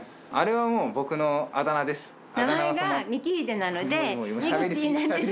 あれはもう僕のあだ名です。